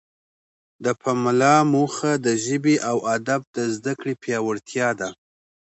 د پملا موخه د ژبې او ادب د زده کړې پیاوړتیا ده.